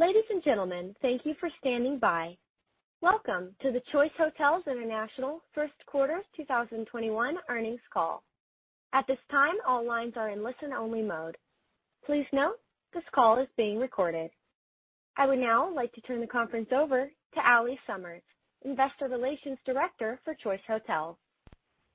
Ladies and gentlemen, thank you for standing by. Welcome to the Choice Hotels International Q1 2021 earnings call. At this time, all lines are in listen-only mode. Please note, this call is being recorded. I would now like to turn the conference over to Allie Summers, Director of Investor Relations for Choice Hotels.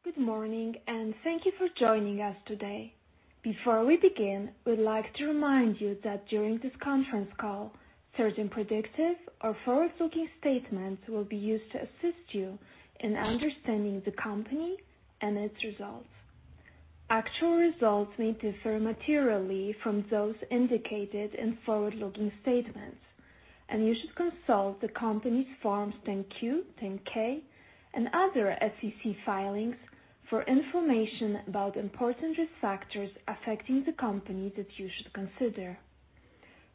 Good morning. Thank you for joining us today. Before we begin, we'd like to remind you that during this conference call, certain predictive or forward-looking statements will be used to assist you in understanding the company and its results. Actual results may differ materially from those indicated in forward-looking statements, and you should consult the company's Forms 10-Q, 10-K, and other SEC filings for information about important risk factors affecting the company that you should consider.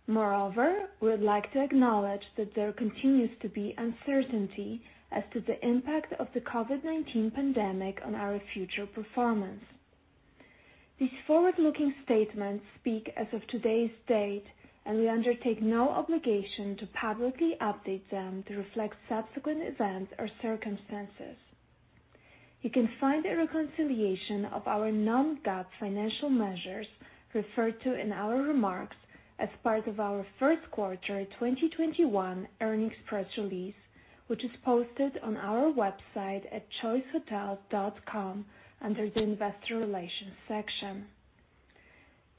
Moreover, we would like to acknowledge that there continues to be uncertainty as to the impact of the COVID-19 pandemic on our future performance. These forward-looking statements speak as of today's date, and we undertake no obligation to publicly update them to reflect subsequent events or circumstances. You can find a reconciliation of our non-GAAP financial measures referred to in our remarks as part of our Q1 2021 earnings press release, which is posted on our website at choicehotels.com under the investor relations section.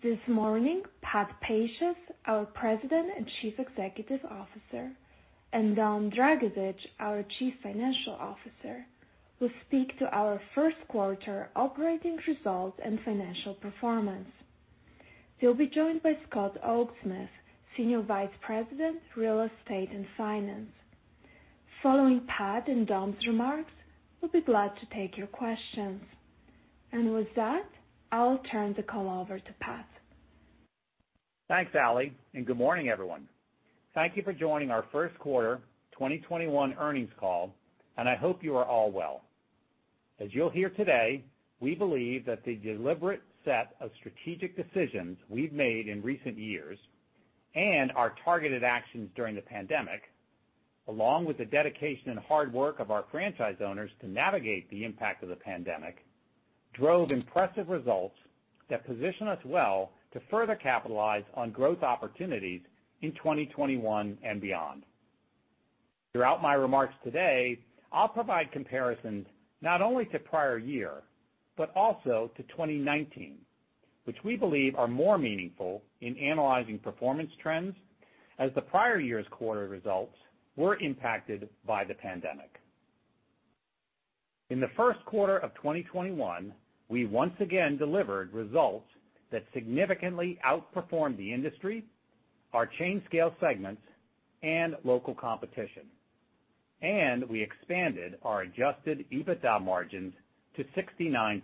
This morning, Pat Pacious, our President and Chief Executive Officer, and Dom Dragisich, our Chief Financial Officer, will speak to our Q1 operating results and financial performance. They'll be joined by Scott Oaksmith, Senior Vice President, real estate and finance. Following Pat and Dom's remarks, we'll be glad to take your questions. With that, I'll turn the call over to Pat. Thanks, Allie. Good morning, everyone. Thank you for joining our Q1 2021 earnings call. I hope you are all well. As you'll hear today, we believe that the deliberate set of strategic decisions we've made in recent years and our targeted actions during the pandemic, along with the dedication and hard work of our franchise owners to navigate the impact of the pandemic, drove impressive results that position us well to further capitalize on growth opportunities in 2021 and beyond. Throughout my remarks today, I'll provide comparisons not only to prior year but also to 2019, which we believe are more meaningful in analyzing performance trends as the prior year's quarter results were impacted by the pandemic. In the Q1 of 2021, we once again delivered results that significantly outperformed the industry, our chain scale segments, and local competition, and we expanded our adjusted EBITDA margins to 69%.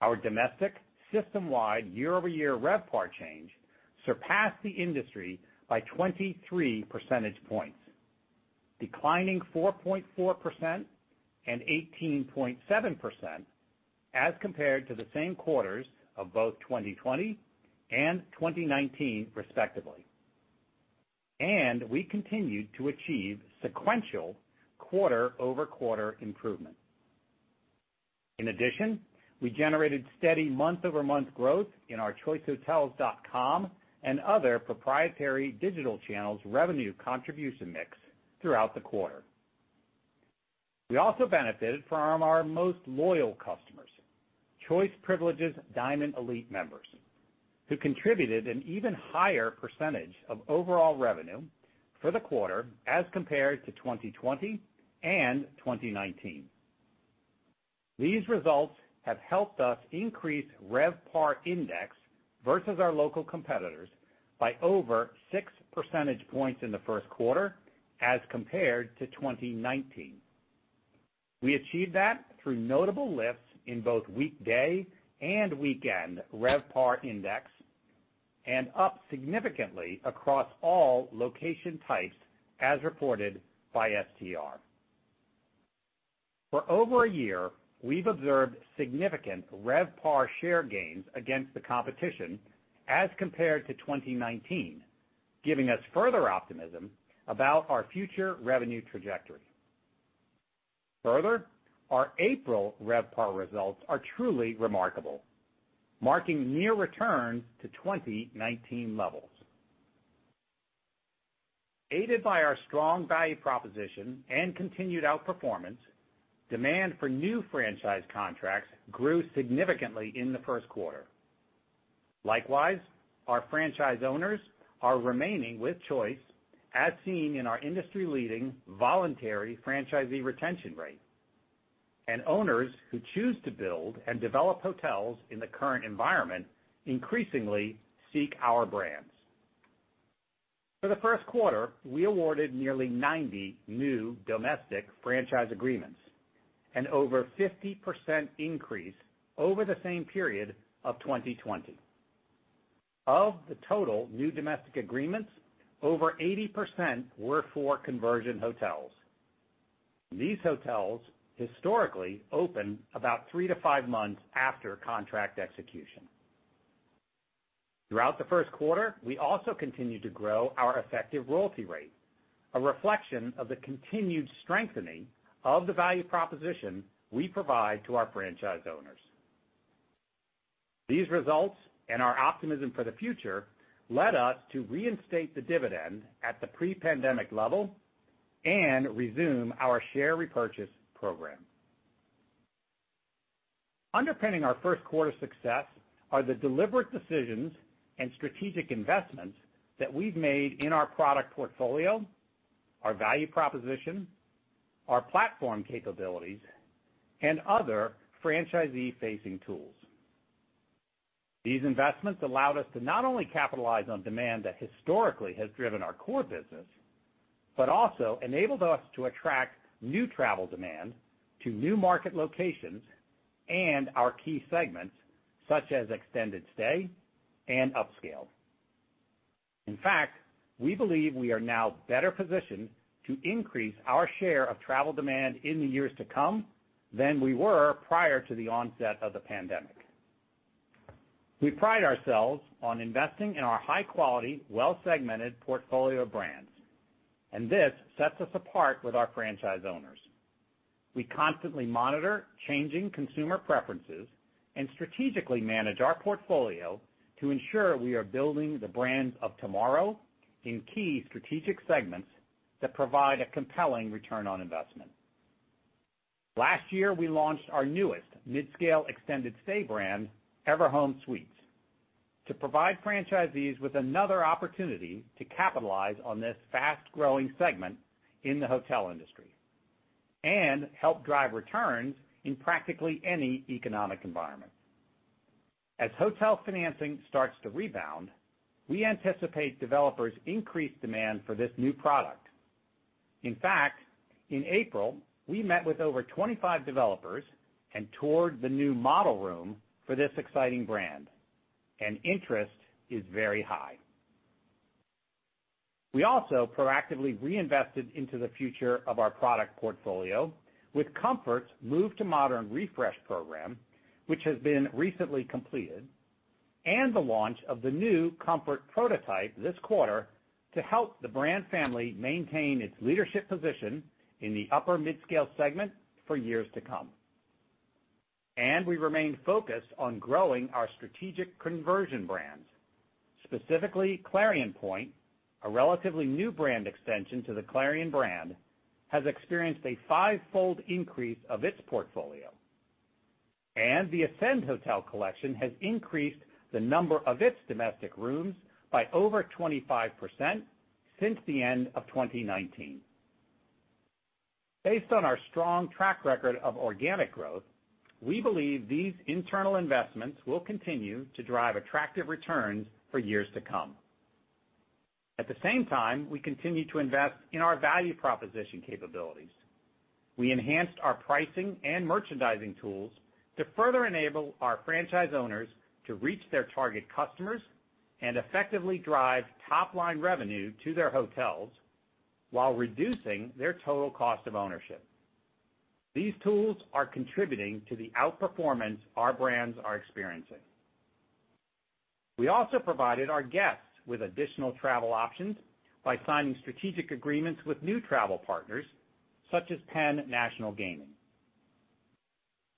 Our domestic system-wide year-over-year RevPAR change surpassed the industry by 23 percentage points, declining 4.4% and 18.7% as compared to the same quarters of both 2020 and 2019, respectively. We continued to achieve sequential quarter-over-quarter improvement. In addition, we generated steady month-over-month growth in our choicehotels.com and other proprietary digital channels revenue contribution mix throughout the quarter. We also benefited from our most loyal customers, Choice Privileges Diamond Elite members, who contributed an even higher percentage of overall revenue for the quarter as compared to 2020 and 2019. These results have helped us increase RevPAR index versus our local competitors by over six percentage points in the Q1 as compared to 2019. We achieved that through notable lifts in both weekday and weekend RevPAR index and up significantly across all location types as reported by STR. For over a year, we've observed significant RevPAR share gains against the competition as compared to 2019, giving us further optimism about our future revenue trajectory. Our April RevPAR results are truly remarkable, marking near return to 2019 levels. Aided by our strong value proposition and continued outperformance, demand for new franchise contracts grew significantly in the Q1. Likewise, our franchise owners are remaining with Choice, as seen in our industry-leading voluntary franchisee retention rate. Owners who choose to build and develop hotels in the current environment increasingly seek our brands. For the Q1, we awarded nearly 90 new domestic franchise agreements, an over 50% increase over the same period of 2020. Of the total new domestic agreements, over 80% were for conversion hotels. These hotels historically open about three to five months after contract execution. Throughout the Q1, we also continued to grow our effective royalty rate, a reflection of the continued strengthening of the value proposition we provide to our franchise owners. These results and our optimism for the future led us to reinstate the dividend at the pre-pandemic level and resume our share repurchase program. Underpinning our Q1 success are the deliberate decisions and strategic investments that we've made in our product portfolio, our value proposition, our platform capabilities, and other franchisee-facing tools. These investments allowed us to not only capitalize on demand that historically has driven our core business, but also enabled us to attract new travel demand to new market locations and our key segments, such as extended stay and upscale. In fact, we believe we are now better positioned to increase our share of travel demand in the years to come than we were prior to the onset of the pandemic. We pride ourselves on investing in our high quality, well-segmented portfolio of brands, and this sets us apart with our franchise owners. We constantly monitor changing consumer preferences and strategically manage our portfolio to ensure we are building the brands of tomorrow in key strategic segments that provide a compelling return on investment. Last year, we launched our newest midscale extended stay brand, Everhome Suites, to provide franchisees with another opportunity to capitalize on this fast-growing segment in the hotel industry and help drive returns in practically any economic environment. As hotel financing starts to rebound, we anticipate developers increased demand for this new product. In fact, in April, we met with over 25 developers and toured the new model room for this exciting brand, and interest is very high. We also proactively reinvested into the future of our product portfolio with Comfort's Move to Modern Refresh Program, which has been recently completed, and the launch of the new Comfort prototype this quarter to help the brand family maintain its leadership position in the upper midscale segment for years to come. We remain focused on growing our strategic conversion brands. Specifically, Clarion Pointe, a relatively new brand extension to the Clarion brand, has experienced a fivefold increase of its portfolio. The Ascend Hotel Collection has increased the number of its domestic rooms by over 25% since the end of 2019. Based on our strong track record of organic growth, we believe these internal investments will continue to drive attractive returns for years to come. At the same time, we continue to invest in our value proposition capabilities. We enhanced our pricing and merchandising tools to further enable our franchise owners to reach their target customers and effectively drive top-line revenue to their hotels while reducing their total cost of ownership. These tools are contributing to the outperformance our brands are experiencing. We also provided our guests with additional travel options by signing strategic agreements with new travel partners, such as Penn National Gaming.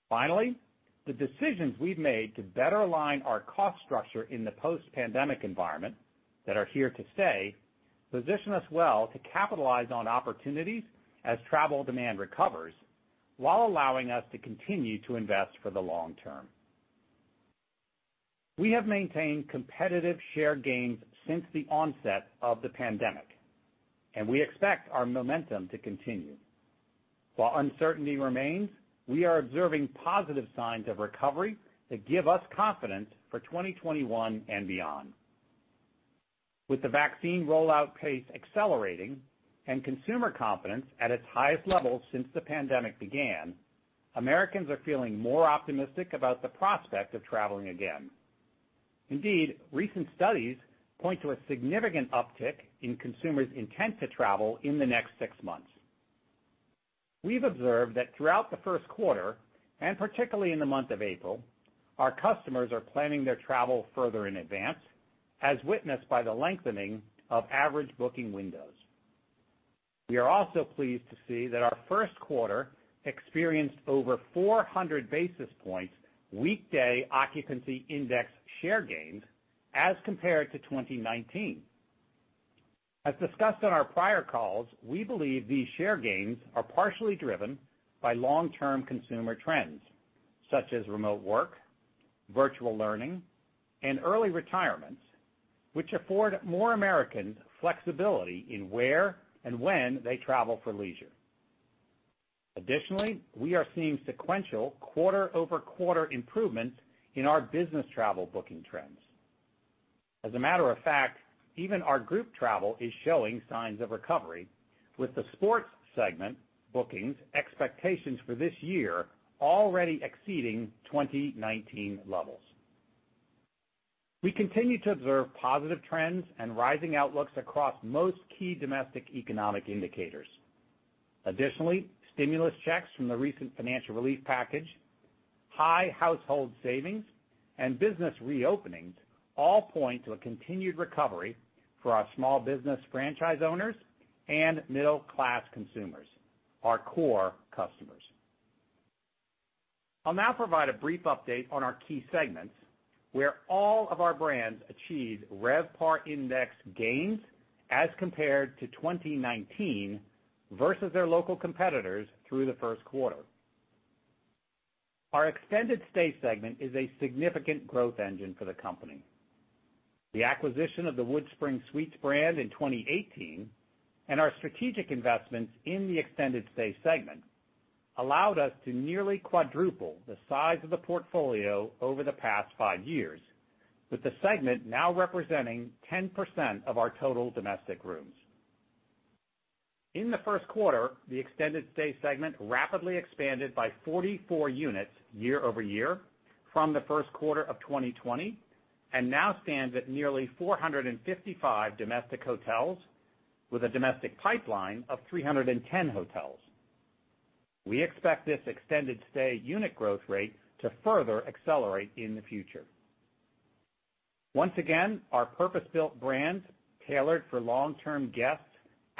Finally, the decisions we've made to better align our cost structure in the post-pandemic environment that are here to stay position us well to capitalize on opportunities as travel demand recovers while allowing us to continue to invest for the long term. We have maintained competitive share gains since the onset of the pandemic, and we expect our momentum to continue. While uncertainty remains, we are observing positive signs of recovery that give us confidence for 2021 and beyond. With the vaccine rollout pace accelerating and consumer confidence at its highest level since the pandemic began, Americans are feeling more optimistic about the prospect of traveling again. Indeed, recent studies point to a significant uptick in consumers' intent to travel in the next six months. We've observed that throughout the Q1, and particularly in the month of April, our customers are planning their travel further in advance, as witnessed by the lengthening of average booking windows. We are also pleased to see that our Q1 experienced over 400 basis points weekday occupancy index share gains as compared to 2019. As discussed on our prior calls, we believe these share gains are partially driven by long-term consumer trends such as remote work, virtual learning, and early retirement, which afford more Americans flexibility in where and when they travel for leisure. Additionally, we are seeing sequential quarter-over-quarter improvements in our business travel booking trends. As a matter of fact, even our group travel is showing signs of recovery with the sports segment bookings expectations for this year already exceeding 2019 levels. We continue to observe positive trends and rising outlooks across most key domestic economic indicators. Additionally, stimulus checks from the recent financial relief package, high household savings, and business reopenings all point to a continued recovery for our small business franchise owners and middle-class consumers, our core customers. I'll now provide a brief update on our key segments, where all of our brands achieved RevPAR index gains as compared to 2019 versus their local competitors through the Q1. Our Extended Stay segment is a significant growth engine for the company. The acquisition of the WoodSpring Suites brand in 2018 and our strategic investments in the Extended Stay segment allowed us to nearly quadruple the size of the portfolio over the past five years, with the segment now representing 10% of our total domestic rooms. In the Q1, the Extended Stay segment rapidly expanded by 44 units year-over-year from the Q1 of 2020, and now stands at nearly 455 domestic hotels, with a domestic pipeline of 310 hotels. We expect this Extended Stay unit growth rate to further accelerate in the future. Once again, our purpose-built brands tailored for long-term guests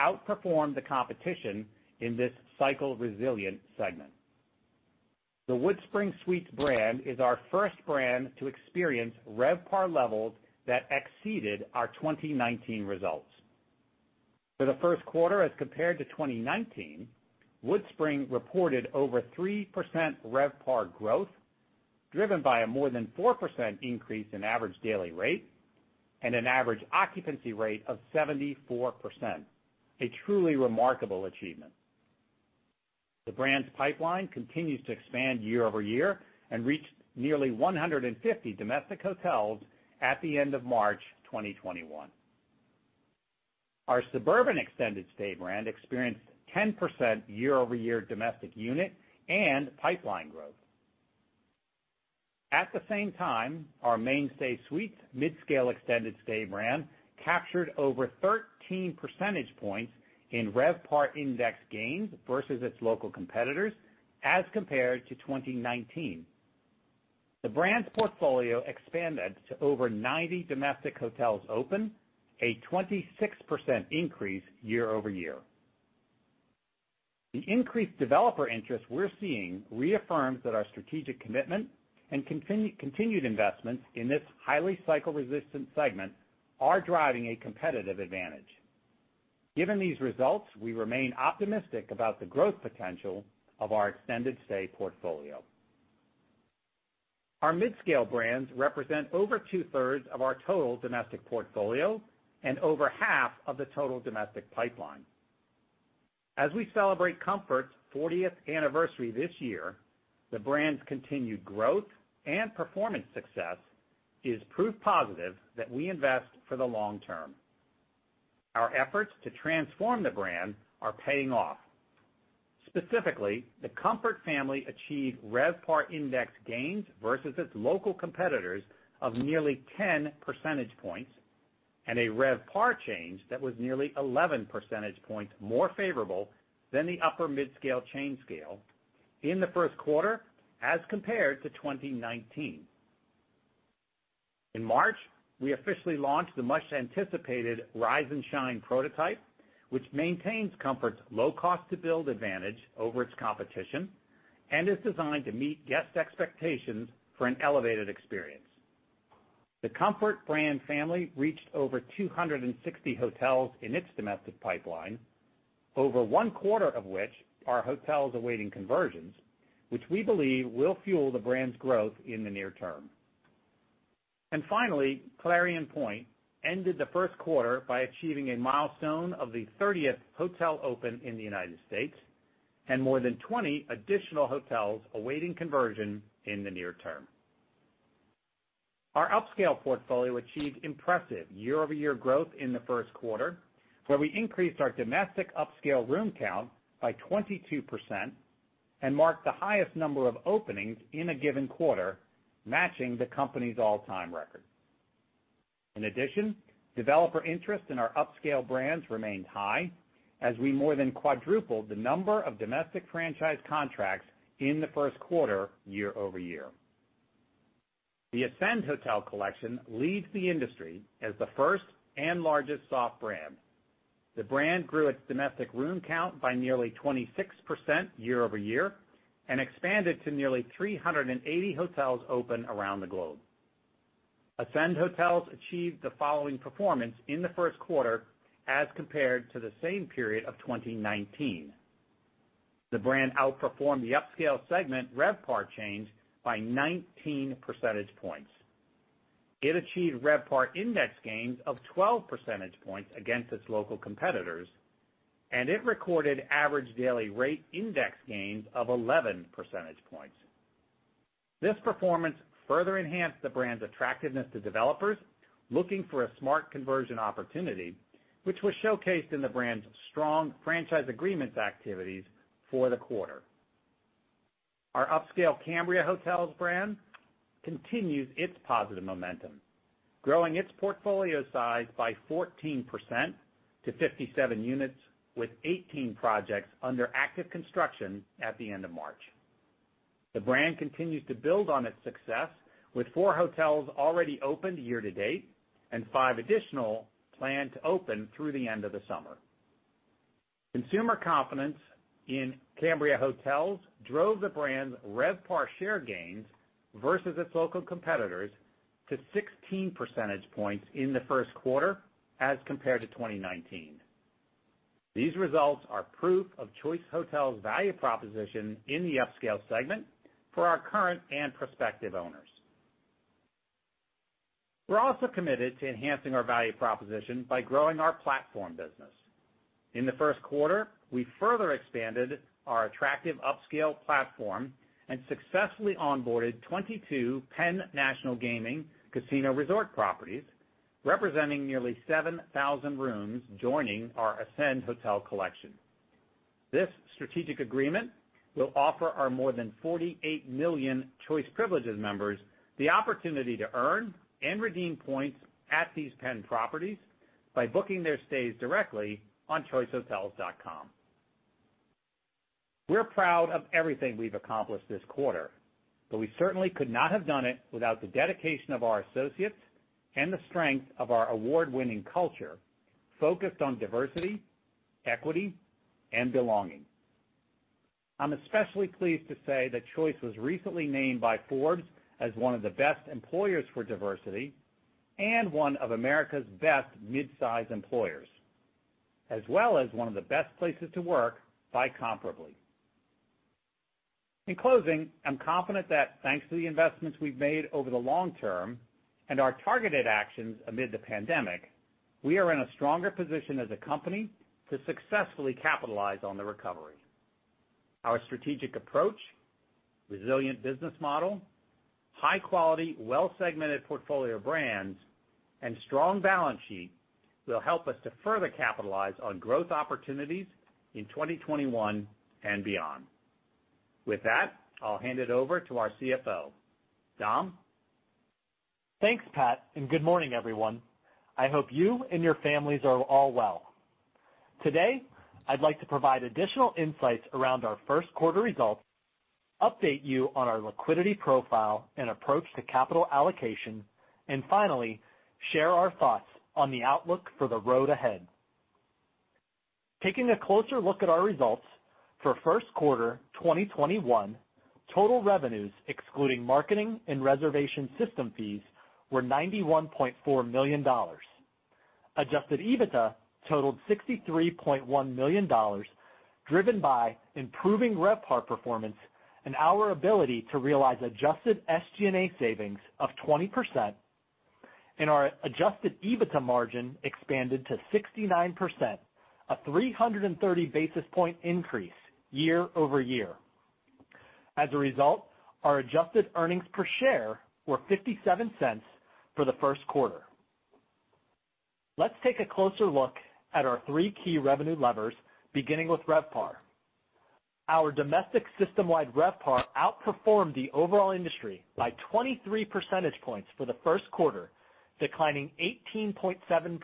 outperformed the competition in this cycle-resilient segment. The WoodSpring Suites brand is our first brand to experience RevPAR levels that exceeded our 2019 results. For the Q1 as compared to 2019, WoodSpring reported over 3% RevPAR growth, driven by a more than 4% increase in average daily rate, and an average occupancy rate of 74%, a truly remarkable achievement. The brand's pipeline continues to expand year-over-year and reached nearly 150 domestic hotels at the end of March 2021. Our Suburban Extended Stay brand experienced 10% year-over-year domestic unit and pipeline growth. At the same time, our MainStay Suites midscale extended stay brand captured over 13 percentage points in RevPAR index gains versus its local competitors as compared to 2019. The brand's portfolio expanded to over 90 domestic hotels open, a 26% increase year-over-year. The increased developer interest we're seeing reaffirms that our strategic commitment and continued investments in this highly cycle-resistant segment are driving a competitive advantage. Given these results, we remain optimistic about the growth potential of our Extended Stay portfolio. Our midscale brands represent over two-thirds of our total domestic portfolio and over half of the total domestic pipeline. As we celebrate Comfort's 40th anniversary this year, the brand's continued growth and performance success is proof positive that we invest for the long term. Our efforts to transform the brand are paying off. Specifically, the Comfort family achieved RevPAR index gains versus its local competitors of nearly 10 percentage points and a RevPAR change that was nearly 11 percentage points more favorable than the upper midscale chain scale in the Q1 as compared to 2019. In March, we officially launched the much-anticipated Rise & Shine prototype, which maintains Comfort's low cost to build advantage over its competition and is designed to meet guest expectations for an elevated experience. The Comfort brand family reached over 260 hotels in its domestic pipeline, over one-quarter of which are hotels awaiting conversions, which we believe will fuel the brand's growth in the near term. Finally, Clarion Pointe ended the Q1 by achieving a milestone of the 30th hotel open in the U.S. and more than 20 additional hotels awaiting conversion in the near term. Our upscale portfolio achieved impressive year-over-year growth in the Q1, where we increased our domestic upscale room count by 22% and marked the highest number of openings in a given quarter, matching the company's all-time record. In addition, developer interest in our upscale brands remained high as we more than quadrupled the number of domestic franchise contracts in the Q1 year-over-year. The Ascend Hotel Collection leads the industry as the first and largest soft brand. The brand grew its domestic room count by nearly 26% year-over-year and expanded to nearly 380 hotels open around the globe. Ascend Hotels achieved the following performance in the Q1 as compared to the same period of 2019. The brand outperformed the upscale segment RevPAR change by 19 percentage points. It achieved RevPAR index gains of 12 percentage points against its local competitors, it recorded average daily rate index gains of 11 percentage points. This performance further enhanced the brand's attractiveness to developers looking for a smart conversion opportunity, which was showcased in the brand's strong franchise agreements activities for the quarter. Our upscale Cambria Hotels brand continues its positive momentum, growing its portfolio size by 14% to 57 units, with 18 projects under active construction at the end of March. The brand continues to build on its success, with four hotels already opened year to date and five additional planned to open through the end of the summer. Consumer confidence in Cambria Hotels drove the brand's RevPAR share gains versus its local competitors to 16 percentage points in the Q1 as compared to 2019. These results are proof of Choice Hotels' value proposition in the upscale segment for our current and prospective owners. We're also committed to enhancing our value proposition by growing our platform business. In the Q1, we further expanded our attractive upscale platform and successfully onboarded 22 Penn National Gaming casino resort properties, representing nearly 7,000 rooms joining our Ascend Hotel Collection. This strategic agreement will offer our more than 48 million Choice Privileges members the opportunity to earn and redeem points at these Penn properties by booking their stays directly on choicehotels.com. We're proud of everything we've accomplished this quarter, but we certainly could not have done it without the dedication of our associates and the strength of our award-winning culture focused on diversity, equity, and belonging. I'm especially pleased to say that Choice was recently named by Forbes as one of the best employers for diversity and one of America's best mid-size employers, as well as one of the best places to work by Comparably. In closing, I'm confident that thanks to the investments we've made over the long term and our targeted actions amid the pandemic, we are in a stronger position as a company to successfully capitalize on the recovery. Our strategic approach, resilient business model, high quality, well segmented portfolio of brands, and strong balance sheet will help us to further capitalize on growth opportunities in 2021 and beyond. With that, I'll hand it over to our CFO. Dom? Thanks, Pat, and good morning, everyone. I hope you and your families are all well. Today, I'd like to provide additional insights around our Q1 results, update you on our liquidity profile and approach to capital allocation, and finally, share our thoughts on the outlook for the road ahead. Taking a closer look at our results for Q1 2021, total revenues, excluding marketing and reservation system fees, were $91.4 million. Adjusted EBITDA totaled $63.1 million, driven by improving RevPAR performance and our ability to realize adjusted SG&A savings of 20%, and our adjusted EBITDA margin expanded to 69%, a 330 basis point increase year-over-year. As a result, our adjusted earnings per share were $0.57 for the Q1. Let's take a closer look at our three key revenue levers, beginning with RevPAR. Our domestic systemwide RevPAR outperformed the overall industry by 23 percentage points for the Q1, declining 18.7%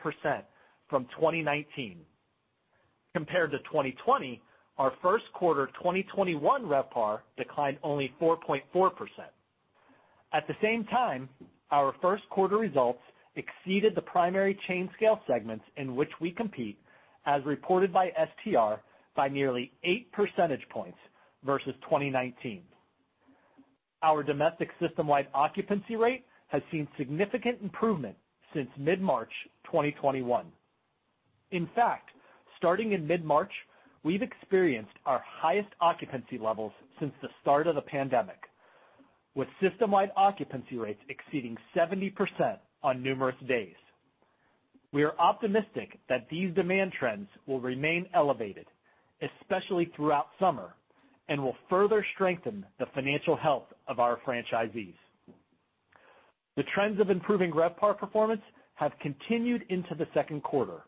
from 2019. Compared to 2020, our Q1 2021 RevPAR declined only 4.4%. At the same time, our Q1 results exceeded the primary chain scale segments in which we compete, as reported by STR, by nearly eight percentage points versus 2019. Our domestic systemwide occupancy rate has seen significant improvement since mid-March 2021. In fact, starting in mid-March, we've experienced our highest occupancy levels since the start of the pandemic, with systemwide occupancy rates exceeding 70% on numerous days. We are optimistic that these demand trends will remain elevated, especially throughout summer, and will further strengthen the financial health of our franchisees. The trends of improving RevPAR performance have continued into the Q2.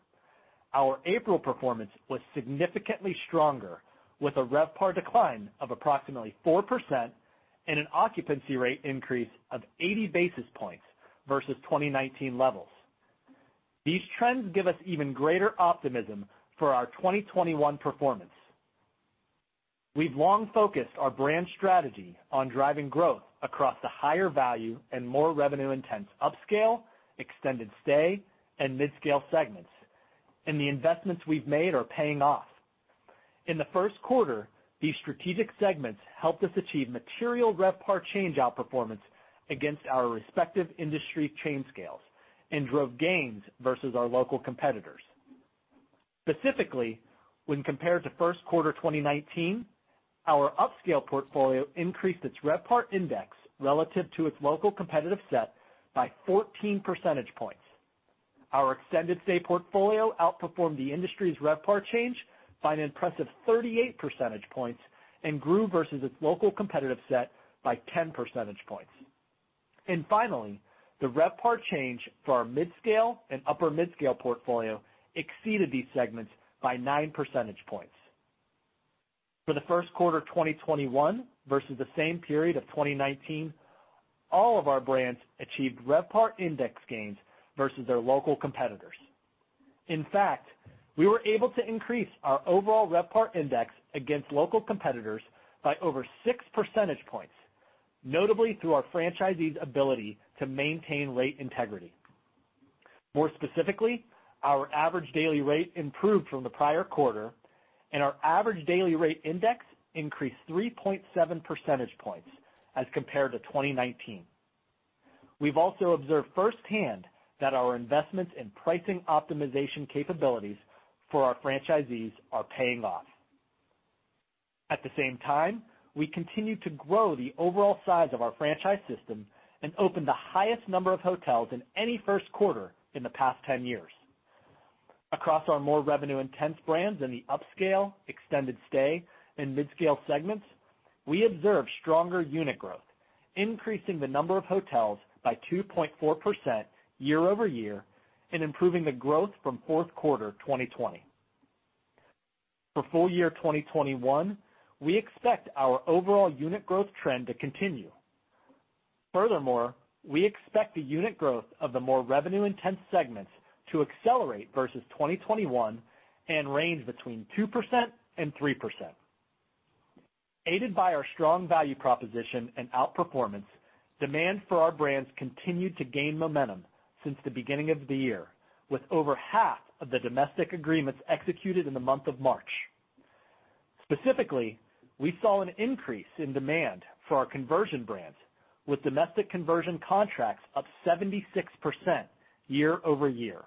Our April performance was significantly stronger, with a RevPAR decline of approximately 4% and an occupancy rate increase of 80 basis points versus 2019 levels. These trends give us even greater optimism for our 2021 performance. We've long focused our brand strategy on driving growth across the higher value and more revenue intense upscale, extended stay, and midscale segments, and the investments we've made are paying off. In the Q1, these strategic segments helped us achieve material RevPAR change outperformance against our respective industry chain scales and drove gains versus our local competitors. Specifically, when compared to Q1 2019, our upscale portfolio increased its RevPAR index relative to its local competitive set by 14 percentage points. Our extended stay portfolio outperformed the industry's RevPAR change by an impressive 38 percentage points and grew versus its local competitive set by 10 percentage points. Finally, the RevPAR change for our midscale and upper midscale portfolio exceeded these segments by nine percentage points. For the Q1 of 2021 versus the same period of 2019, all of our brands achieved RevPAR index gains versus their local competitors. In fact, we were able to increase our overall RevPAR index against local competitors by over six percentage points, notably through our franchisees' ability to maintain rate integrity. More specifically, our average daily rate improved from the prior quarter, and our average daily rate index increased 3.7 percentage points as compared to 2019. We've also observed firsthand that our investments in pricing optimization capabilities for our franchisees are paying off. At the same time, we continue to grow the overall size of our franchise system and open the highest number of hotels in any Q1 in the past 10 years. Across our more revenue-intense brands in the upscale, extended stay, and midscale segments, we observed stronger unit growth, increasing the number of hotels by 2.4% year-over-year and improving the growth from Q4 2020. For full year 2021, we expect our overall unit growth trend to continue. Furthermore, we expect the unit growth of the more revenue-intense segments to accelerate versus 2021 and range between 2% and 3%. Aided by our strong value proposition and outperformance, demand for our brands continued to gain momentum since the beginning of the year, with over half of the domestic agreements executed in the month of March. Specifically, we saw an increase in demand for our conversion brands with domestic conversion contracts up 76% year-over-year.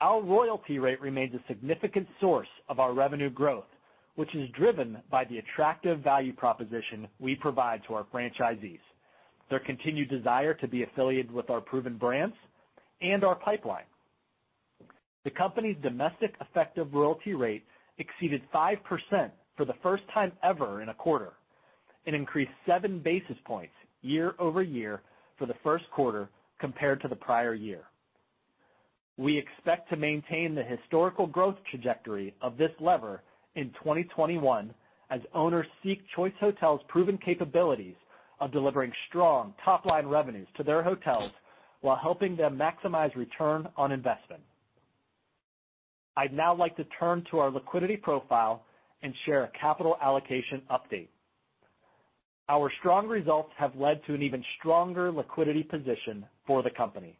Our royalty rate remains a significant source of our revenue growth, which is driven by the attractive value proposition we provide to our franchisees, their continued desire to be affiliated with our proven brands, and our pipeline. The company's domestic effective royalty rate exceeded 5% for the first time ever in a quarter and increased seven basis points year-over-year for the Q1 compared to the prior year. We expect to maintain the historical growth trajectory of this lever in 2021 as owners seek Choice Hotels' proven capabilities of delivering strong top-line revenues to their hotels while helping them maximize return on investment. I'd now like to turn to our liquidity profile and share a capital allocation update. Our strong results have led to an even stronger liquidity position for the company.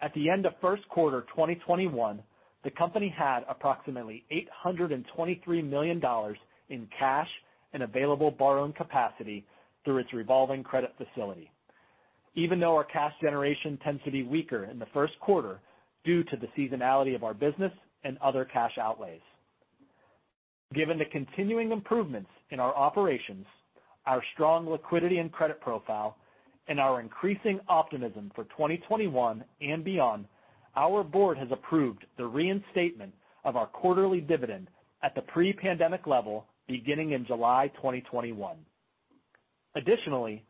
At the end of the Q1 2021, the company had approximately $823 million in cash and available borrowing capacity through its revolving credit facility. Even though our cash generation tends to be weaker in the Q1 due to the seasonality of our business and other cash outlays. Given the continuing improvements in our operations, our strong liquidity and credit profile, and our increasing optimism for 2021 and beyond, our board has approved the reinstatement of our quarterly dividend at the pre-pandemic level beginning in July 2021. Additionally,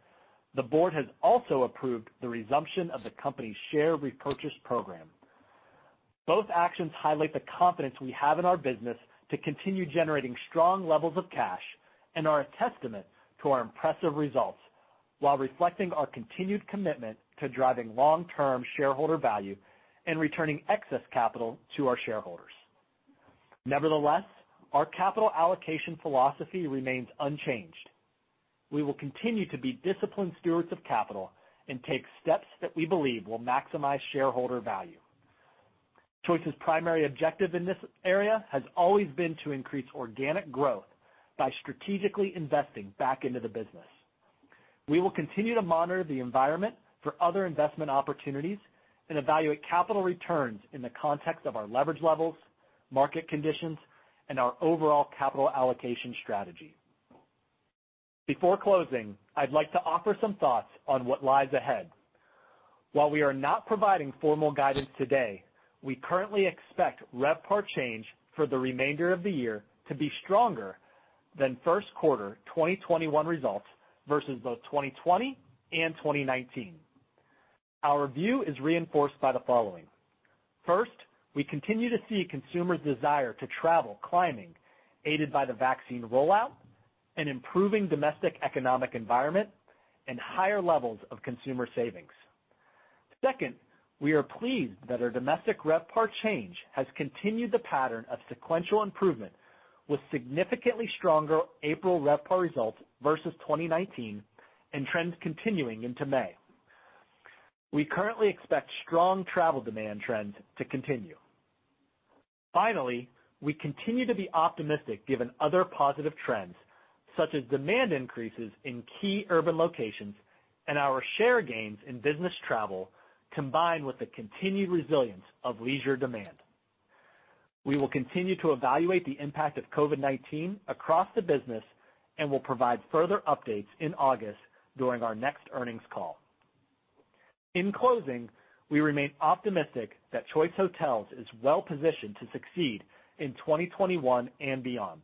the board has also approved the resumption of the company's share repurchase program. Both actions highlight the confidence we have in our business to continue generating strong levels of cash and are a testament to our impressive results while reflecting our continued commitment to driving long-term shareholder value and returning excess capital to our shareholders. Nevertheless, our capital allocation philosophy remains unchanged. We will continue to be disciplined stewards of capital and take steps that we believe will maximize shareholder value. Choice's primary objective in this area has always been to increase organic growth by strategically investing back into the business. We will continue to monitor the environment for other investment opportunities and evaluate capital returns in the context of our leverage levels, market conditions, and our overall capital allocation strategy. Before closing, I'd like to offer some thoughts on what lies ahead. While we are not providing formal guidance today, we currently expect RevPAR change for the remainder of the year to be stronger than Q1 2021 results versus both 2020 and 2019. Our view is reinforced by the following. First, we continue to see a consumer's desire to travel climbing, aided by the vaccine rollout, an improving domestic economic environment, and higher levels of consumer savings. Second, we are pleased that our domestic RevPAR change has continued the pattern of sequential improvement with significantly stronger April RevPAR results versus 2019 and trends continuing into May. We currently expect strong travel demand trends to continue. Finally, we continue to be optimistic given other positive trends, such as demand increases in key urban locations and our share gains in business travel, combined with the continued resilience of leisure demand. We will continue to evaluate the impact of COVID-19 across the business and will provide further updates in August during our next earnings call. In closing, we remain optimistic that Choice Hotels is well-positioned to succeed in 2021 and beyond.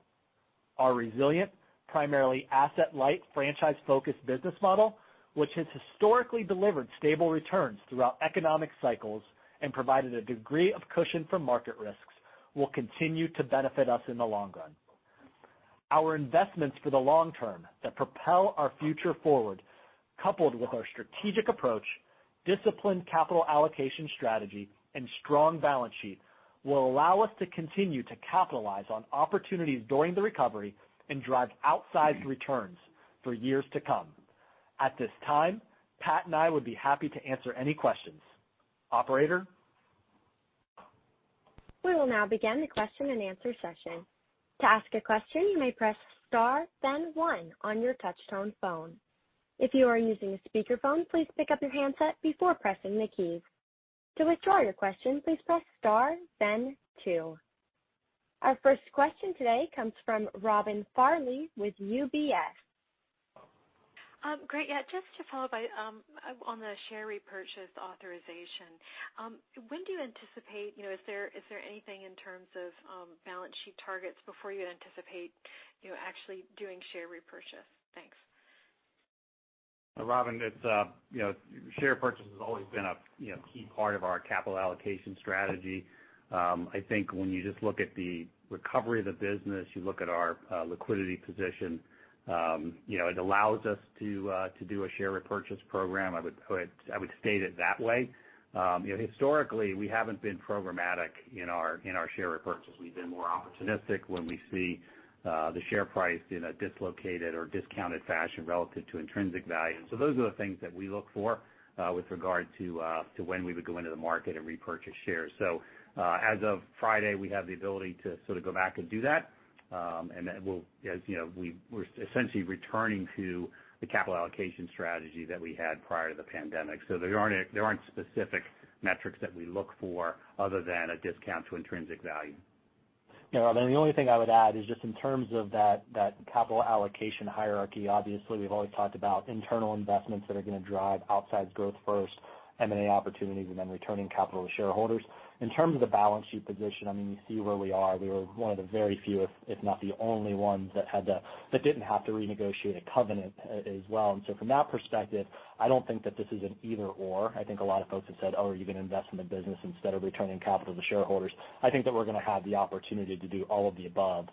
Our resilient, primarily asset-light franchise-focused business model, which has historically delivered stable returns throughout economic cycles and provided a degree of cushion from market risks, will continue to benefit us in the long run. Our investments for the long term that propel our future forward, coupled with our strategic approach, disciplined capital allocation strategy, and strong balance sheet, will allow us to continue to capitalize on opportunities during the recovery and drive outsized returns for years to come. At this time, Pat and I would be happy to answer any questions. Operator? We will now begin the question and answer session. Our first question today comes from Robin Farley with UBS. Great. Yeah, just to follow up on the share repurchase authorization. When do you anticipate, is there anything in terms of balance sheet targets before you anticipate actually doing share repurchase? Thanks. Robin, share repurchase has always been a key part of our capital allocation strategy. I think when you just look at the recovery of the business, you look at our liquidity position, it allows us to do a share repurchase program. I would state it that way. Historically, we haven't been programmatic in our share repurchase. We've been more opportunistic when we see the share price in a dislocated or discounted fashion relative to intrinsic value. Those are the things that we look for with regard to when we would go into the market and repurchase shares. As of Friday, we have the ability to go back and do that. Then we're essentially returning to the capital allocation strategy that we had prior to the pandemic. There aren't specific metrics that we look for other than a discount to intrinsic value. Yeah, Robin, the only thing I would add is just in terms of that capital allocation hierarchy, obviously, we've always talked about internal investments that are going to drive outsized growth first, M&A opportunities, and then returning capital to shareholders. In terms of the balance sheet position, you see where we are. We were one of the very few, if not the only ones, that didn't have to renegotiate a covenant as well. From that perspective, I don't think that this is an either/or. I think a lot of folks have said, "Oh, are you going to invest in the business instead of returning capital to shareholders?" I think that we're going to have the opportunity to do all of the above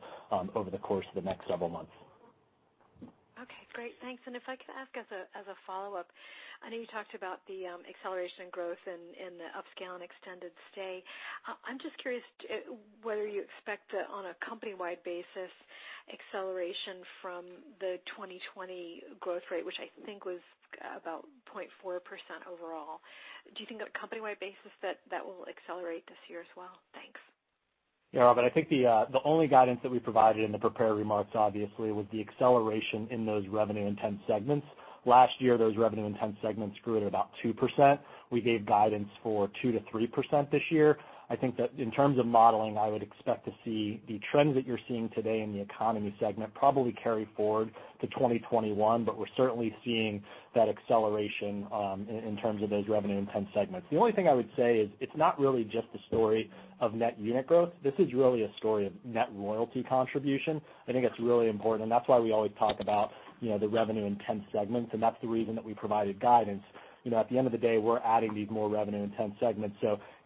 over the course of the next several months. Okay, great. Thanks. If I could ask as a follow-up, I know you talked about the acceleration growth in the upscale and extended stay. I'm just curious whether you expect, on a company-wide basis, acceleration from the 2020 growth rate, which I think was about 0.4% overall. Do you think on a company-wide basis that will accelerate this year as well? Thanks. Yeah, Robin, I think the only guidance that we provided in the prepared remarks, obviously, was the acceleration in those revenue intense segments. Last year, those revenue intense segments grew at about 2%. We gave guidance for 2%-3% this year. I think that in terms of modeling, I would expect to see the trends that you're seeing today in the economy segment probably carry forward to 2021. We're certainly seeing that acceleration in terms of those revenue intense segments. The only thing I would say is it's not really just a story of net unit growth. This is really a story of net royalty contribution. I think it's really important, and that's why we always talk about the revenue intense segments, and that's the reason that we provided guidance. At the end of the day, we're adding these more revenue intense segments.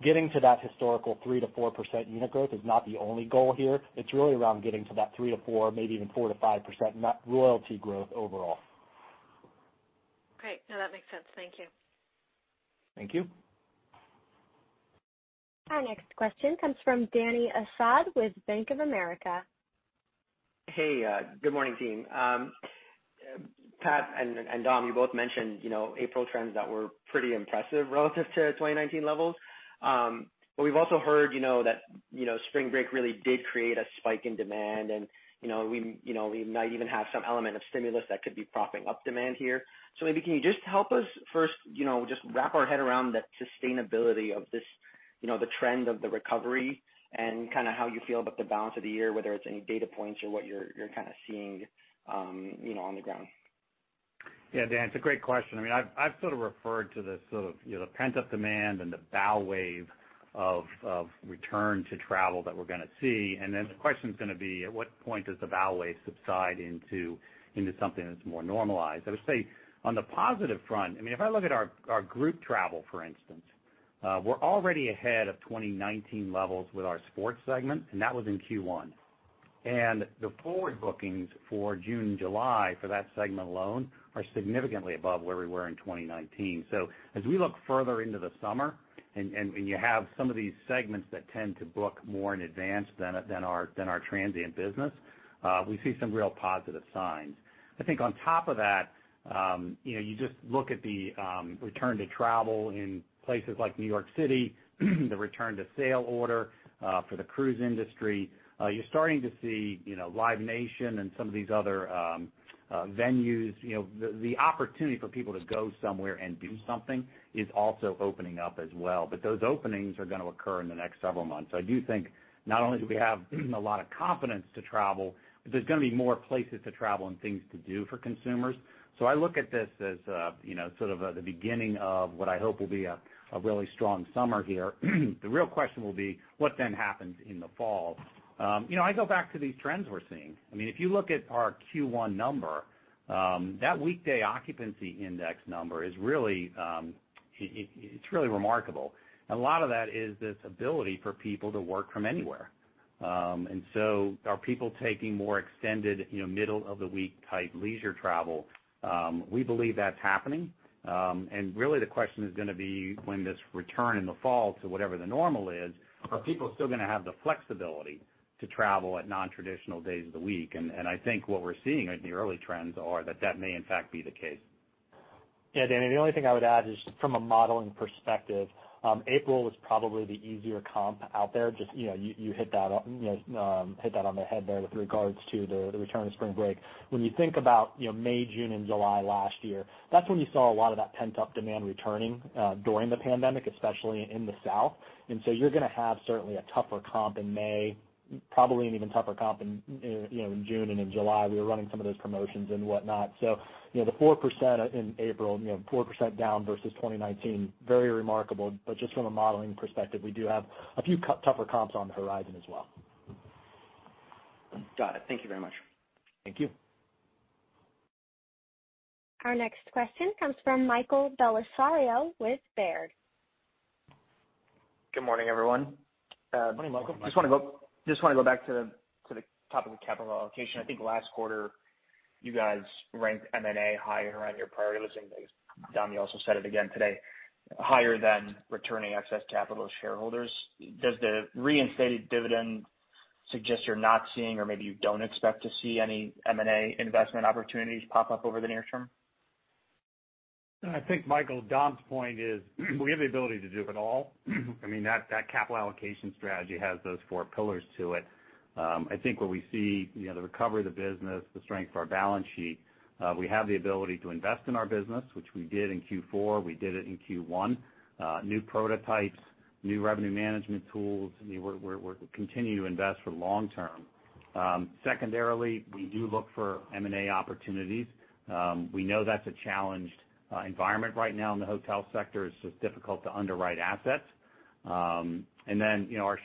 Getting to that historical 3%-4% unit growth is not the only goal here. It's really around getting to that 3%-4%, maybe even 4%-5% net royalty growth overall. Great. No, that makes sense. Thank you. Thank you. Our next question comes from Dany Assad with Bank of America. Hey, good morning, team. Pat and Dom, you both mentioned April trends that were pretty impressive relative to 2019 levels. We've also heard that spring break really did create a spike in demand, and we might even have some element of stimulus that could be propping up demand here. Maybe can you just help us first just wrap our head around the sustainability of the trend of the recovery and how you feel about the balance of the year, whether it's any data points or what you're seeing on the ground? Yeah, Dan, it's a great question. I've sort of referred to this sort of pent-up demand and the bow wave of return to travel that we're going to see. The question's going to be, at what point does the bow wave subside into something that's more normalized? I would say on the positive front, if I look at our group travel, for instance, we're already ahead of 2019 levels with our sports segment, and that was in Q1. The forward bookings for June and July for that segment alone are significantly above where we were in 2019. As we look further into the summer, and you have some of these segments that tend to book more in advance than our transient business, we see some real positive signs. I think on top of that, you just look at the return to travel in places like New York City, the return to sail order for the cruise industry. You're starting to see Live Nation and some of these other venues. The opportunity for people to go somewhere and do something is also opening up as well. Those openings are going to occur in the next several months. I do think not only do we have a lot of confidence to travel, but there's going to be more places to travel and things to do for consumers. I look at this as sort of the beginning of what I hope will be a really strong summer here. The real question will be what then happens in the fall. I go back to these trends we're seeing. If you look at our Q1 number, that weekday occupancy index number is really remarkable. A lot of that is this ability for people to work from anywhere. Are people taking more extended middle of the week type leisure travel? We believe that's happening. Really the question is going to be when this return in the fall to whatever the normal is, are people still going to have the flexibility to travel at non-traditional days of the week? I think what we're seeing in the early trends are that that may in fact be the case. Yeah, Dany, the only thing I would add is from a modeling perspective, April was probably the easier comp out there. You hit that on the head there with regards to the return of spring break. When you think about May, June, and July last year, that's when you saw a lot of that pent-up demand returning during the pandemic, especially in the South. You're going to have certainly a tougher comp in May, probably an even tougher comp in June and in July. We were running some of those promotions and whatnot. The 4% in April, 4% down versus 2019, very remarkable. Just from a modeling perspective, we do have a few tougher comps on the horizon as well. Got it. Thank you very much. Thank you. Our next question comes from Michael Bellisario with Baird. Good morning, everyone. Morning, Michael. I want to go back to the topic of capital allocation. I think last quarter you guys ranked M&A higher on your priority listing. I guess Dom, you also said it again today, higher than returning excess capital to shareholders. Does the reinstated dividend suggest you're not seeing or maybe you don't expect to see any M&A investment opportunities pop up over the near term? I think Michael, Dom's point is we have the ability to do it all. That capital allocation strategy has those four pillars to it. I think where we see the recovery of the business, the strength of our balance sheet, we have the ability to invest in our business, which we did in Q4, we did it in Q1. New prototypes, new revenue management tools. We're continuing to invest for long term. Secondarily, we do look for M&A opportunities. We know that's a challenged environment right now in the hotel sector. It's just difficult to underwrite assets. Our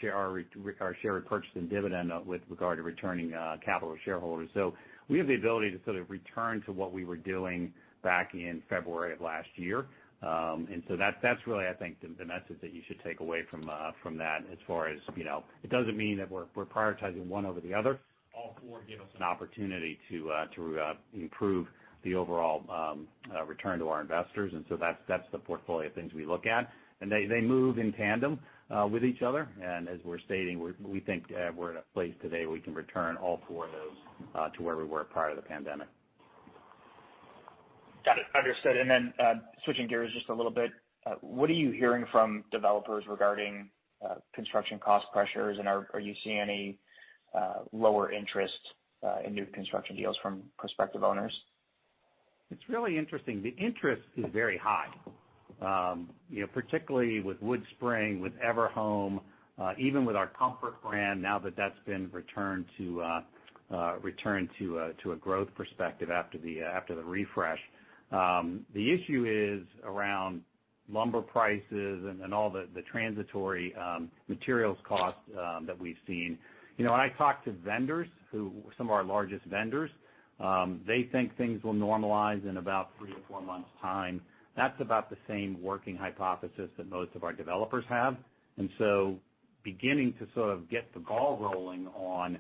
share repurchase and dividend with regard to returning capital to shareholders. We have the ability to sort of return to what we were doing back in February of last year. That's really, I think, the message that you should take away from that as far as it doesn't mean that we're prioritizing one over the other. All four give us an opportunity to improve the overall return to our investors. That's the portfolio of things we look at. They move in tandem with each other. As we're stating, we think we're in a place today where we can return all four of those to where we were prior to the pandemic. Got it. Understood. Switching gears just a little bit, what are you hearing from developers regarding construction cost pressures, and are you seeing any lower interest in new construction deals from prospective owners? It's really interesting. The interest is very high. Particularly with WoodSpring, with Everhome, even with our Comfort brand now that that's been returned to a growth perspective after the refresh. The issue is around lumber prices and all the transitory materials cost that we've seen. When I talk to vendors, some of our largest vendors, they think things will normalize in about three to four months' time. That's about the same working hypothesis that most of our developers have. Beginning to sort of get the ball rolling on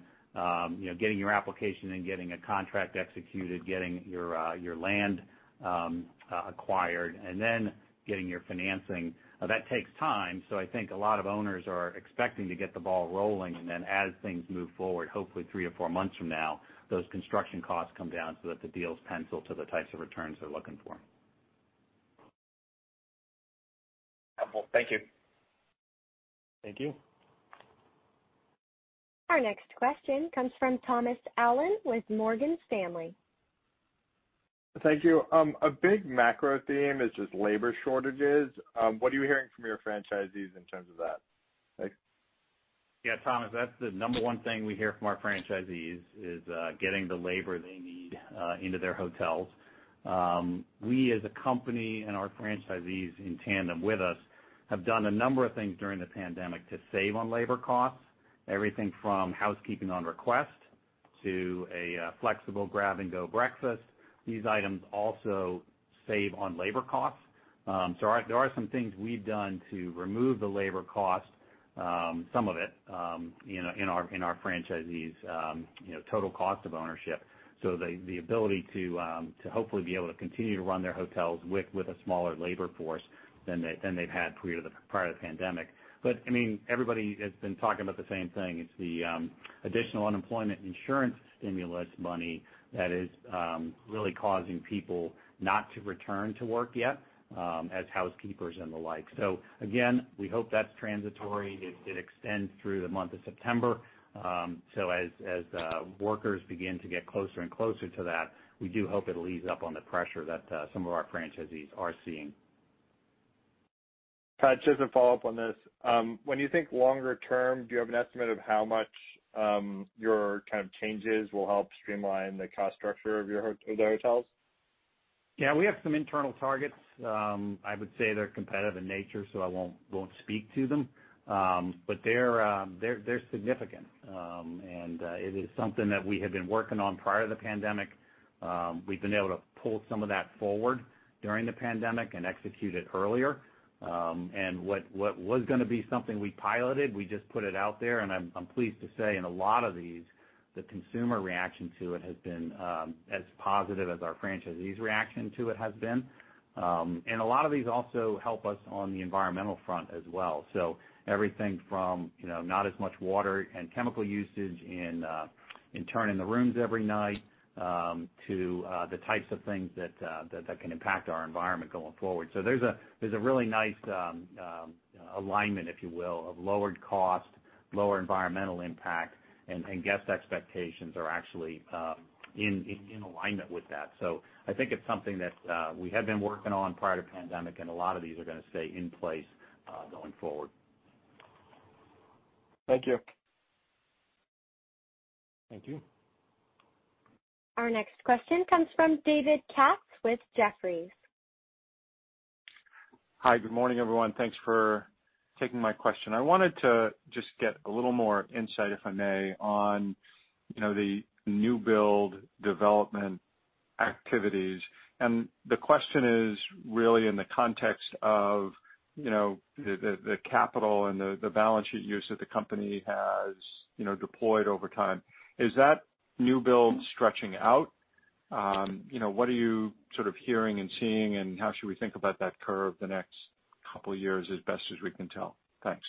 getting your application and getting a contract executed, getting your land acquired, and then getting your financing, that takes time. I think a lot of owners are expecting to get the ball rolling, and then as things move forward, hopefully three or four months from now, those construction costs come down so that the deals pencil to the types of returns they're looking for. Helpful. Thank you. Thank you. Our next question comes from Thomas Allen with Morgan Stanley. Thank you. A big macro theme is just labor shortages. What are you hearing from your franchisees in terms of that? Yeah, Thomas, that's the number 1 thing we hear from our franchisees is getting the labor they need into their hotels. We as a company and our franchisees in tandem with us, have done a number of things during the pandemic to save on labor costs. Everything from housekeeping on request to a flexible grab-and-go breakfast. These items also save on labor costs. There are some things we've done to remove the labor cost, some of it, in our franchisees' total cost of ownership. The ability to hopefully be able to continue to run their hotels with a smaller labor force than they've had prior to the pandemic. Everybody has been talking about the same thing. It's the additional unemployment insurance stimulus money that is really causing people not to return to work yet as housekeepers and the like. Again, we hope that's transitory. It extends through the month of September. As workers begin to get closer and closer to that, we do hope it'll ease up on the pressure that some of our franchisees are seeing. Pat, just a follow-up on this. When you think longer term, do you have an estimate of how much your kind of changes will help streamline the cost structure of the hotels? Yeah, we have some internal targets. I would say they're competitive in nature, so I won't speak to them. They're significant, and it is something that we had been working on prior to the pandemic. We've been able to pull some of that forward during the pandemic and execute it earlier. What was going to be something we piloted, we just put it out there, and I'm pleased to say, in a lot of these, the consumer reaction to it has been as positive as our franchisees' reaction to it has been. A lot of these also help us on the environmental front as well. Everything from not as much water and chemical usage in turning the rooms every night to the types of things that can impact our environment going forward. There's a really nice alignment, if you will, of lowered cost, lower environmental impact, and guest expectations are actually in alignment with that. I think it's something that we had been working on prior to pandemic, and a lot of these are going to stay in place going forward. Thank you. Thank you. Our next question comes from David Katz with Jefferies. Hi. Good morning, everyone. Thanks for taking my question. I wanted to just get a little more insight, if I may, on the new build development activities. The question is really in the context of the capital and the balance sheet use that the company has deployed over time. Is that new build stretching out? What are you sort of hearing and seeing, and how should we think about that curve the next couple of years, as best as we can tell? Thanks.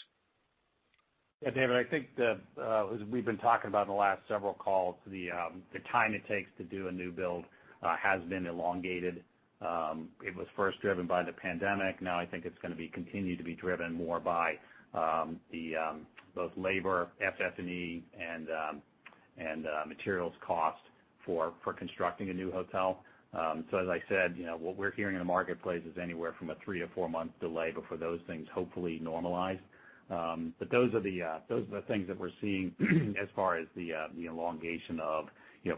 Yeah, David, I think as we've been talking about in the last several calls, the time it takes to do a new build has been elongated. It was first driven by the pandemic. I think it's going to be continued to be driven more by both labor, FF&E, and materials cost for constructing a new hotel. As I said, what we're hearing in the marketplace is anywhere from a three- to four-month delay before those things hopefully normalize. Those are the things that we're seeing as far as the elongation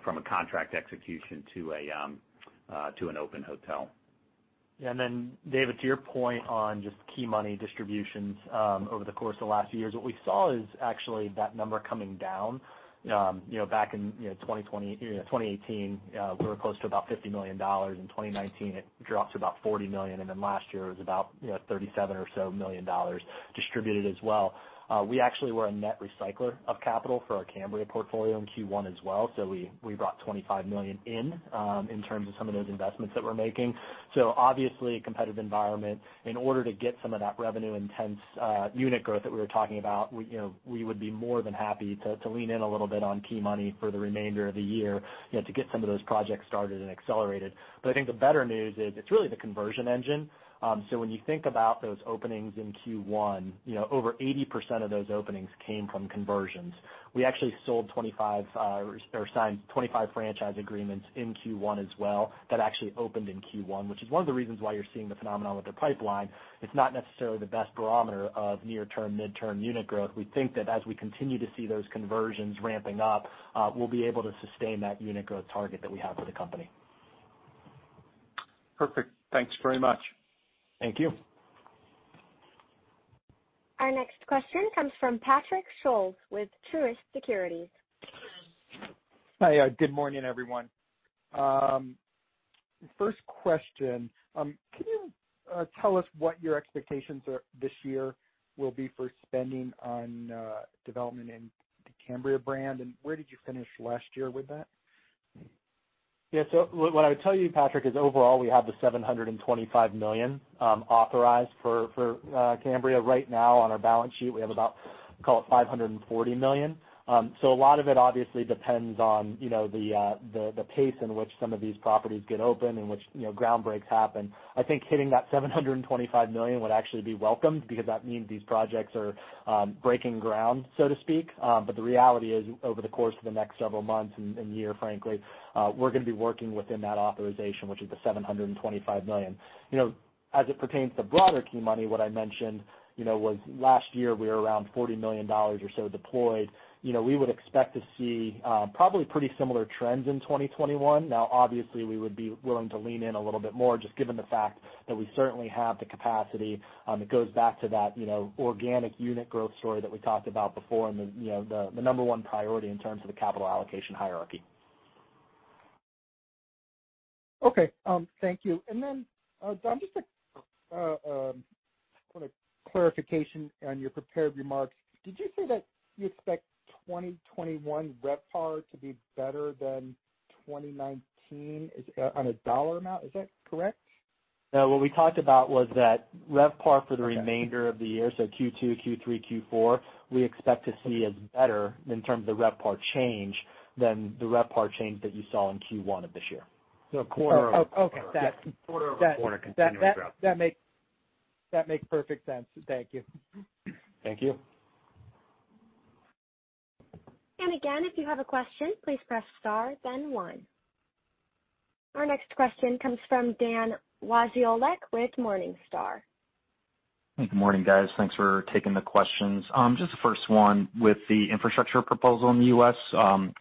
from a contract execution to an open hotel. David, to your point on just key money distributions over the course of the last few years, what we saw is actually that number coming down. Back in 2018, we were close to about $50 million. In 2019, it dropped to about $40 million. Last year it was about $37 or so million distributed as well. We actually were a net recycler of capital for our Cambria portfolio in Q1 as well. We brought $25 million in terms of some of those investments that we're making. Obviously, a competitive environment. In order to get some of that revenue-intense unit growth that we were talking about, we would be more than happy to lean in a little bit on key money for the remainder of the year to get some of those projects started and accelerated. I think the better news is it's really the conversion engine. When you think about those openings in Q1, over 80% of those openings came from conversions. We actually signed 25 franchise agreements in Q1 as well that actually opened in Q1, which is one of the reasons why you're seeing the phenomenon with the pipeline. It's not necessarily the best barometer of near-term, mid-term unit growth. We think that as we continue to see those conversions ramping up, we'll be able to sustain that unit growth target that we have for the company. Perfect. Thanks very much. Thank you. Our next question comes from Pat Scholes with Truist Securities. Hi. Good morning, everyone. First question, can you tell us what your expectations this year will be for spending on development in the Cambria brand, and where did you finish last year with that? What I would tell you, Pat, is overall, we have the $725 million authorized for Cambria. Right now on our balance sheet, we have about, call it $540 million. A lot of it obviously depends on the pace in which some of these properties get open, in which ground breaks happen. I think hitting that $725 million would actually be welcomed because that means these projects are breaking ground, so to speak. The reality is, over the course of the next several months and year, frankly, we're going to be working within that authorization, which is the $725 million. As it pertains to broader key money, what I mentioned was last year, we were around $40 million or so deployed. We would expect to see probably pretty similar trends in 2021. Obviously, we would be willing to lean in a little bit more just given the fact that we certainly have the capacity. It goes back to that organic unit growth story that we talked about before, and the number one priority in terms of the capital allocation hierarchy. Okay. Thank you. Dom, just a point of clarification on your prepared remarks. Did you say that you expect 2021 RevPAR to be better than 2019 on a dollar amount? Is that correct? No, what we talked about was that RevPAR for the remainder of the year, so Q2, Q3, Q4, we expect to see as better in terms of the RevPAR change than the RevPAR change that you saw in Q1 of this year. Okay. Quarter-over-quarter continuing growth. That makes perfect sense. Thank you. Thank you. Again, if you have a question, please press star then one. Our next question comes from Dan Wasiolek with Morningstar. Good morning, guys. Thanks for taking the questions. Just the first one, with the infrastructure proposal in the U.S.,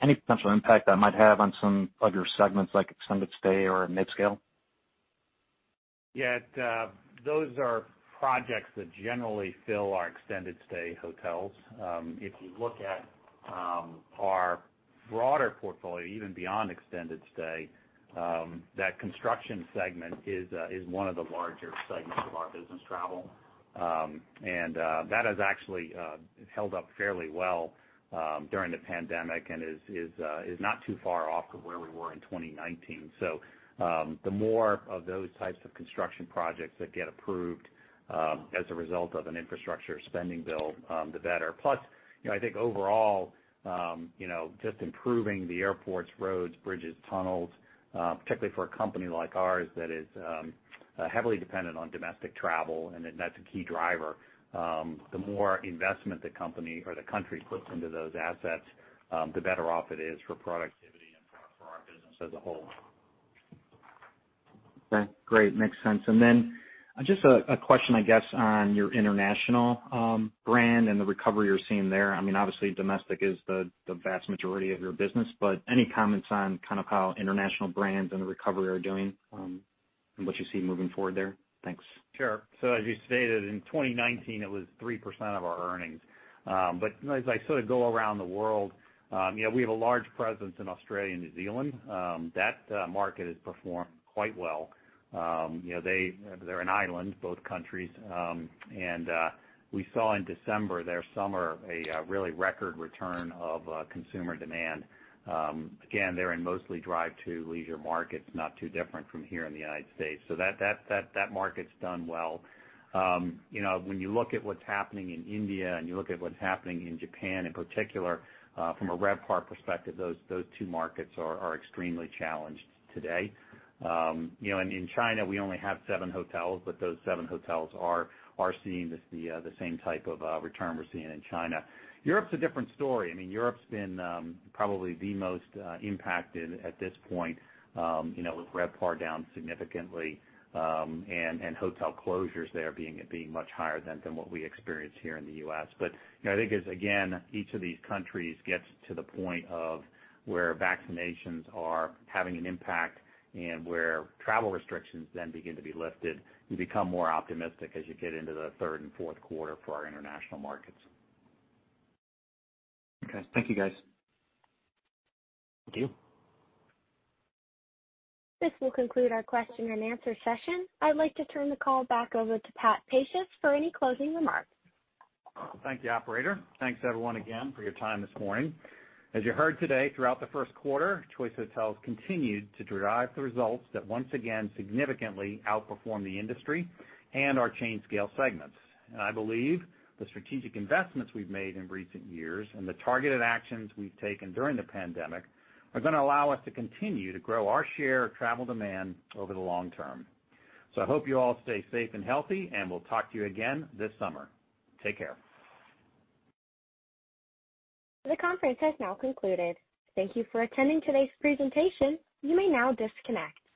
any potential impact that might have on some of your segments, like extended stay or midscale? Yeah. Those are projects that generally fill our extended stay hotels. If you look at our broader portfolio, even beyond extended stay, that construction segment is one of the larger segments of our business travel. That has actually held up fairly well during the pandemic and is not too far off from where we were in 2019. The more of those types of construction projects that get approved as a result of an infrastructure spending bill, the better. I think overall, just improving the airports, roads, bridges, tunnels, particularly for a company like ours that is heavily dependent on domestic travel, and then that's a key driver. The more investment the company or the country puts into those assets, the better off it is for productivity and for our business as a whole. Okay, great. Makes sense. Just a question, I guess, on your international brand and the recovery you're seeing there. Obviously domestic is the vast majority of your business, any comments on kind of how international brands and the recovery are doing, and what you see moving forward there? Thanks. Sure. As you stated, in 2019, it was 3% of our earnings. As I sort of go around the world, we have a large presence in Australia and New Zealand. That market has performed quite well. They're an island, both countries. We saw in December, their summer, a really record return of consumer demand. Again, they're in mostly drive to leisure markets, not too different from here in the United States. That market's done well. When you look at what's happening in India and you look at what's happening in Japan, in particular from a RevPAR perspective, those two markets are extremely challenged today. In China we only have seven hotels, but those seven hotels are seeing the same type of return we're seeing in China. Europe's a different story. Europe's been probably the most impacted at this point, with RevPAR down significantly, and hotel closures there being much higher than what we experience here in the U.S. I think as, again, each of these countries gets to the point of where vaccinations are having an impact and where travel restrictions then begin to be lifted, you become more optimistic as you get into the third and Q4 for our international markets. Okay. Thank you, guys. Thank you. This will conclude our question and answer session. I'd like to turn the call back over to Pat Pacious for any closing remarks. Thank you, operator. Thanks everyone again for your time this morning. As you heard today, throughout the Q1, Choice Hotels continued to drive the results that once again, significantly outperformed the industry and our chain scale segments. I believe the strategic investments we've made in recent years and the targeted actions we've taken during the pandemic are going to allow us to continue to grow our share of travel demand over the long term. I hope you all stay safe and healthy, and we'll talk to you again this summer. Take care. The conference has now concluded. Thank you for attending today's presentation. You may now disconnect.